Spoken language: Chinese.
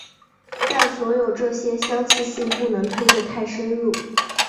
但所有这些相似性不能推得太深入。